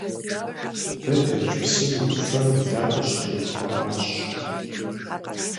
Дэ Тэрч псым и Ӏуфэм быдапӀэ щыдухуэгъащ.